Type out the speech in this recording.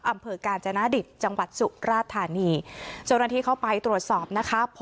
อำเภอกาญจนาดิตจังหวัดสุราธานีเจ้าหน้าที่เข้าไปตรวจสอบนะคะ